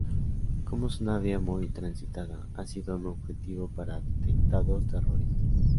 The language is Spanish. Como es una vía muy transitada, ha sido un objetivo para atentados terroristas.